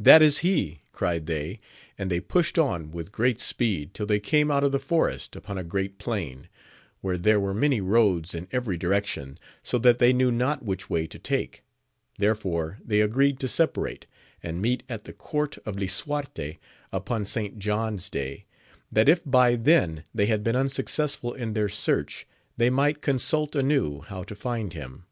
That is he ! cried they ; and they pushed on with great speed till they came out of the forest upon a great plain, where there were many roads in every direc tion, so that they knew^not which way to take ; there fore they agreed to separate, and meet at the court of lisuarte upon St. John's day, that if by then they AMADIS OF GAUL. 279 had been unsnccessfiil in their search, thej might consult anew how to find him.